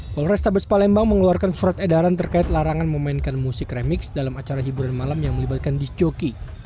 polres tabes palembang mengeluarkan surat edaran terkait larangan memainkan musik remix dalam acara hiburan malam yang melibatkan disc joki